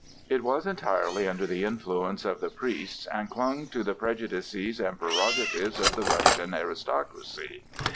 It was entirely under the influence of the priests and clung to the prejudices and prerogatives of the Russian aristocracy.